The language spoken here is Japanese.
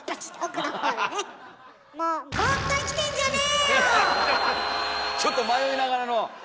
もうちょっと迷いながらの！